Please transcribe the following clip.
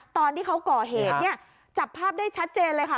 ตอนที่เขาก่อเหตุเนี่ยจับภาพได้ชัดเจนเลยค่ะ